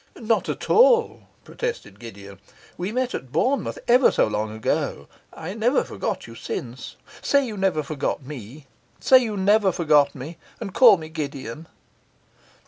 'Not at all!' protested Gideon. 'We met at Bournemouth ever so long ago. I never forgot you since. Say you never forgot me. Say you never forgot me, and call me Gideon!